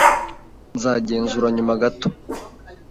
Nzagenzura nyuma gato.